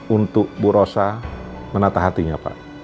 untuk bu rosa menatah hatinya pak